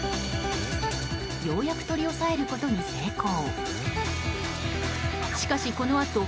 ようやく取り押さえることに成功。